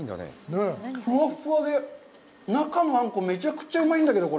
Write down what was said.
ふわっふわで、中のあんこ、めちゃくちゃうまいんだけど。